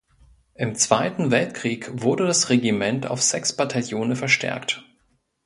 Im Zweiten Weltkrieg wurde das Regiment auf sechs Bataillone verstärkt.